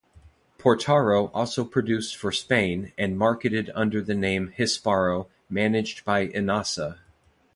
Portaro also produced for Spain and marketed under the name Hisparo managed by Enasa.